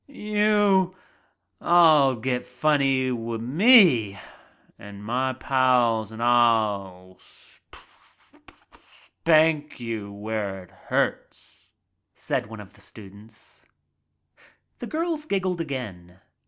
"You — all get funny wi* me an' my pals an* I'll sp sp spank you where it hurts," said one of the students. The girls giggled again.